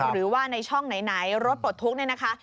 หรือว่าในช่องไหนรถปลดทุกข์เนี่ยนะคะ